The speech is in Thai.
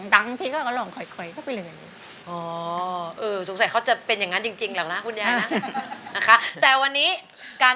อ๋อสงสัยเขาจะเป็นอย่างงั้นจริงเหรอนะคุณยายนะ